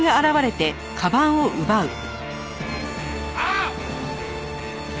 あっ！